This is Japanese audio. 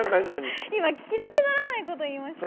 今、聞き捨てならないこと言いましたよね。